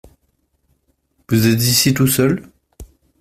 Vous êtes ici tout seul ?